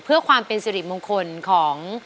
เพื่อความเป็นสิริมงคลของ